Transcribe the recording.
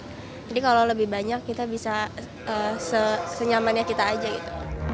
jadi kalau lebih banyak kita bisa senyamannya kita aja gitu